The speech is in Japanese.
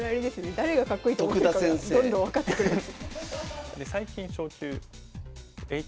誰がかっこいいと思ってるかがどんどん分かってくるやつ。